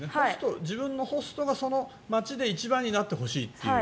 自分のホストがその街で一番になってほしい。